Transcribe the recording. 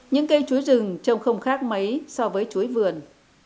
những cây chuối rừng trông không khác mấy so với chuối vườn